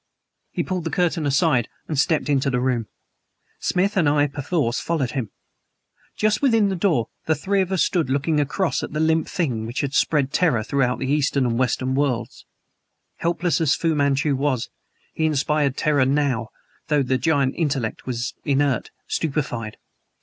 He pulled the curtain aside and stepped into the room. Smith and I perforce followed him. Just within the door the three of us stood looking across at the limp thing which had spread terror throughout the Eastern and Western world. Helpless as Fu Manchu was, he inspired terror now, though the giant intellect was inert stupefied.